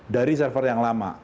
dari server yang lama